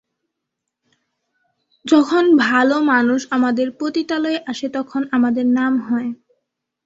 যখন ভালো মানুষ আমাদের পতিতালয়ে আসে তখন আমাদের নাম হয়।